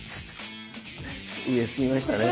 上すぎましたね。